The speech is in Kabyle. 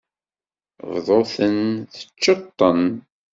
Bḍu-ten, teččeḍ-ten.